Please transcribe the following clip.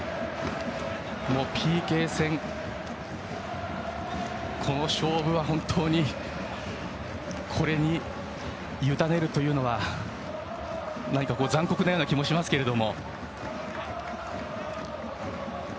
ＰＫ戦の勝負は、本当にこれにゆだねるというのは何か残酷なような気がしますけど。